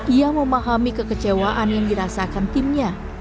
ia memahami kekecewaan yang dirasakan timnya